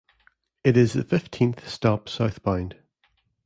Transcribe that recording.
It is the fifteenth stop southbound.